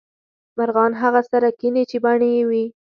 مرغان هغه سره کینې چې بڼې یو وې